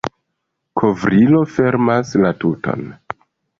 Kovrilo fermas la tuton.